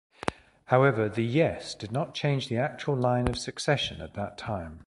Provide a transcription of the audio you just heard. However, the 'yes' did not change the actual line of succession at that time.